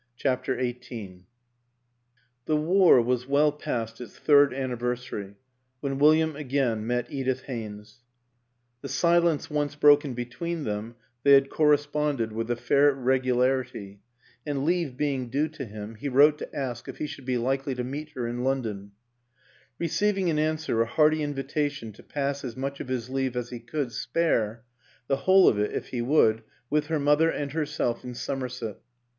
CHAPTER XVIII THE war was well past its third anniver sary when William again met Edith Haynes. The silence once broken be tween them they had corresponded with a fair regularity, and, leave being due to him, he wrote to ask if he should be likely to meet her in Lon don; receiving in answer a hearty invitation to pass as much of his leave as he could spare the whole of it if he would with her mother and herself in Somerset.